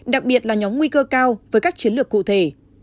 đặc biệt là nhóm nguy cơ cao với các chiến lược cụ thể